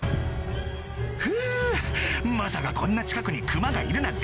ふぅまさかこんな近くにクマがいるなんて